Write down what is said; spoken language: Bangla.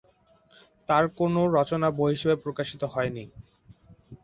তার কোনও রচনা বই হিসাবে প্রকাশিত হয়নি।